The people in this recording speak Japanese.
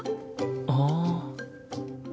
ああ。